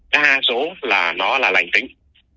đa số là nó là lành tính